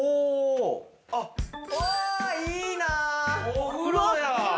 お風呂や！